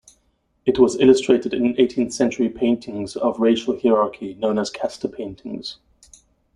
It was illustrated in eighteenth-century paintings of racial hierarchy, known as casta paintings.